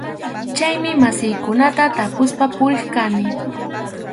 Chaymi masiykunata tapuspa puriq kani.